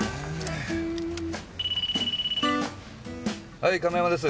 はい亀山です。